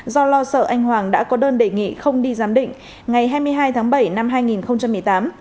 do lo sợ anh hoàng đã có đơn đề nghị không đi giám định ngày hai mươi hai tháng bảy năm hai nghìn một mươi tám